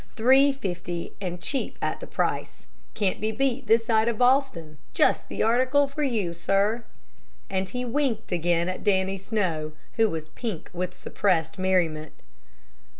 Three fifty, and cheap at the price. Can't be beat this side of Boston. Just the article for you, sir." And he winked again at Dannie Snow, who was pink with suppressed merriment.